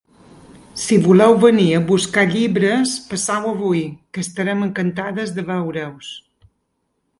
Si voleu venir a buscar llibres, passeu avui, que estarem encantades de veure-us.